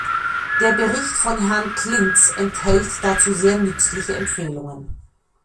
Der Bericht von Herrn Klinz enthält dazu sehr nützliche Empfehlungen.